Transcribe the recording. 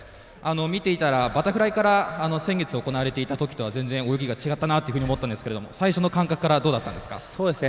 見ていたらバタフライから先月行われていたときから全然、泳ぎが違ったなと思ったんですけども最初の感覚からはどうだったんですか？